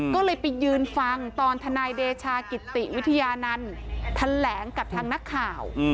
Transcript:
ก็เลยไปยืนฟังตอนทนายเดชากิติวิทยานันต์แถลงกับทางนักข่าว